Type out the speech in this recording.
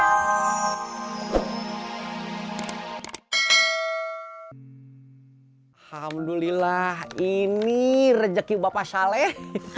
alhamdulillah ini rejeki bapak saleh